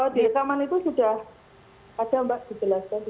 di rekaman itu sudah ada mbak dijelaskan